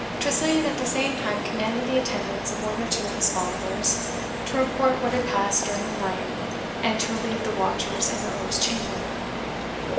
Tressilian at the same time commanded the attendance of one or two of his followers, to report what had passed during the night, and to relieve the watchers in the Earl's chamber.